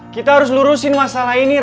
kita harus lurusin masalah ini